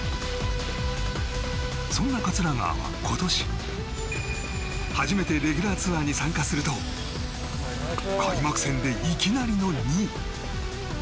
そんな桂川は今年初めてレギュラーツアーに参加すると開幕戦でいきなりの２位。